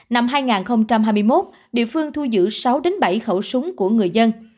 năm hai nghìn hai mươi một địa phương thu giữ sáu bảy khẩu súng của người dân